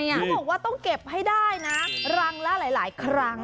เขาบอกว่าต้องเก็บให้ได้นะรังละหลายครั้ง